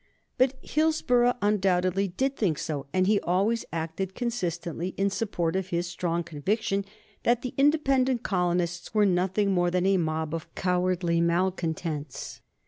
But Hillsborough undoubtedly did think so, and he always acted consistently in support of his strong conviction that the independent colonists were nothing more than a mob of cowardly malcontents.